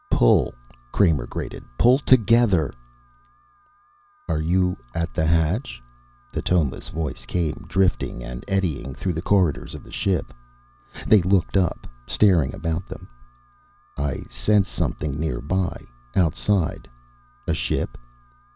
"Pull," Kramer grated. "Pull together." "Are you at the hatch?" the toneless voice came, drifting and eddying through the corridors of the ship. They looked up, staring around them. "I sense something nearby, outside. A ship?